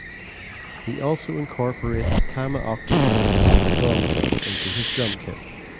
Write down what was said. He also incorporates Tama octobans and a gong drum into his drum kit.